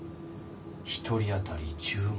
１人当たり１０万。